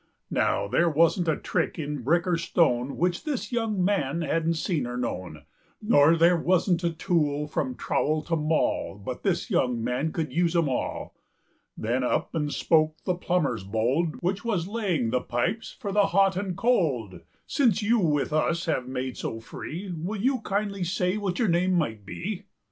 Now there wasn't a trick in brick or stoneWhich this young man hadn't seen or known; Nor there wasn't a tool from trowel to maulBut this young man could use 'em all! Then up and spoke the plumbyers bold, Which was laying the pipes for the hot and cold;"Since you with us have made so free, Will you kindly say what your name might be?"